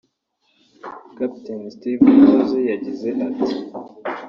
Captain Steve Rose yagize ati